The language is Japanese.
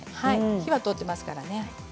火は通っていますからね。